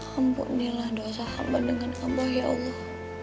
ampunilah dosa abah dengan abah ya allah